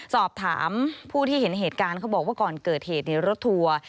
สอบถามผู้ที่เห็นเหตุการณ์เขาบอกว่าก่อนเกิดเหตุในรถทัวร์